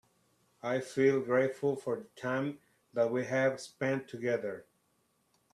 I feel grateful for the time that we have spend together.